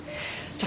じゃ。